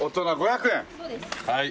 はい。